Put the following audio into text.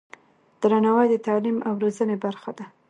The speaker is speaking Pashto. درناوی د تعلیم او روزنې برخه ده.